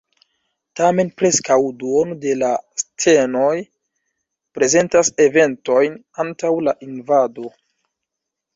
Tamen preskaŭ duono de la scenoj prezentas eventojn antaŭ la invado.